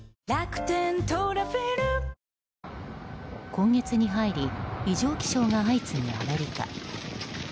今月に入り異常気象が相次ぐアメリカ。